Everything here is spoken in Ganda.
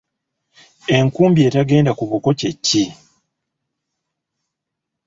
Enkumbi etagenda ku buko kye ki?